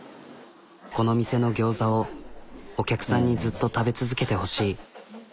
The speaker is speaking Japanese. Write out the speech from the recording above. この店の餃子をお客さんにずっと食べ続けてほしい。